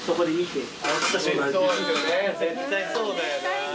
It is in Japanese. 絶対そうだよな。